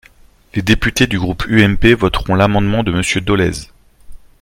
Les députés du groupe UMP voteront l’amendement de Monsieur Dolez.